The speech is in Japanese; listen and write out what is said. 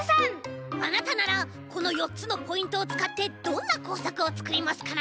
あなたならこの４つのポイントをつかってどんなこうさくをつくりますかな？